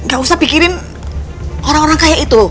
gak usah pikirin orang orang kayak itu